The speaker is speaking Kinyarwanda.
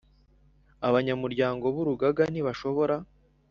Abanyamuryango b Urugaga ntibashobora